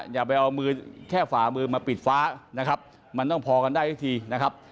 อย่าไปเอามือแค่ฝ่ามือมาปิดฟ้านะครับมันต้องพอกันได้สักทีนะครับ